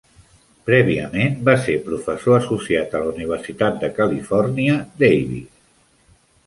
Prèviament, va ser professor associat a la Universitat de Califòrnia, Davis.